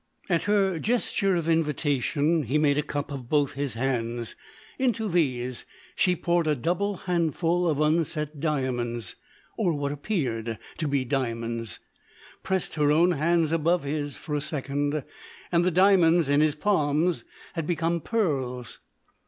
At her gesture of invitation he made a cup of both his hands. Into these she poured a double handful of unset diamonds—or what appeared to be diamonds—pressed her own hands above his for a second—and the diamonds in his palms had become pearls.